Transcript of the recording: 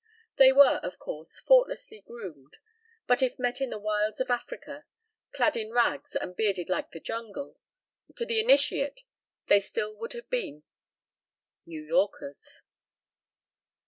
They were, of course, faultlessly groomed, but if met in the wilds of Africa, clad in rags and bearded like the jungle, to the initiate they still would have been New Yorkers.